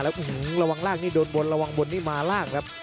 โอ้โหระวังล่างนี่โดนบนระวังบนนี่มาล่างครับ